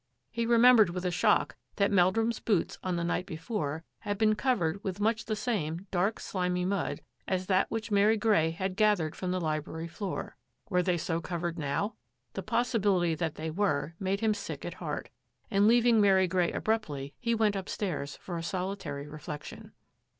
He remembered with a shock that Meldrum's boots on the night before had been covered with much the same dark, slimy mud as that which Mary Grey had gathered from the library floor. Were they so covered now? The possibility that they were made him sick at heart, and leaving Mary Grey abruptly, he went upstairs for a solitary reflection.